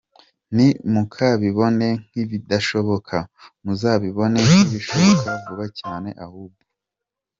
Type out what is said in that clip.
Nti mukabibone nk’ibidashoboka, muzabibone nk’ibishoboka vuba cyane ahubwo!” Ngaho re!